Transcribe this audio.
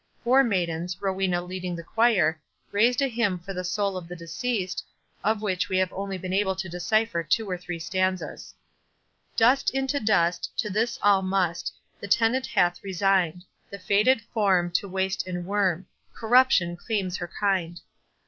Four maidens, Rowena leading the choir, raised a hymn for the soul of the deceased, of which we have only been able to decipher two or three stanzas:— Dust unto dust, To this all must; The tenant hath resign'd The faded form To waste and worm— Corruption claims her kind.